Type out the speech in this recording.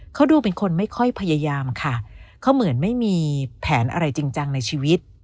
เขาดูเป็นคนไม่ค่อยพยายามค่ะเขาเหมือนไม่มีแผนอะไรจริงจังในชีวิต